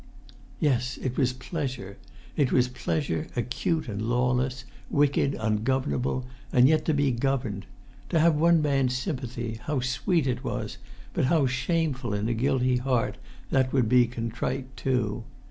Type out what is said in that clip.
Yes, it was pleasure! It was pleasure, acute and lawless, wicked, ungovernable, and yet to be governed. To have one man's sympathy, how sweet it was, but how shameful in a guilty heart that would be contrite too!